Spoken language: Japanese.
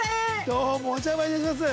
◆どうも、お邪魔いたします。